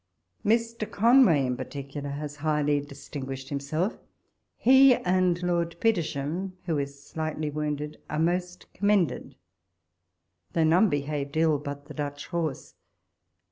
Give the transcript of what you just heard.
Mr. Conway, in particular, has highly distin guished himself ; he and Lord Petersham, who is slightly wounded, are most commended ; though none behaved ill but the Dutch horse.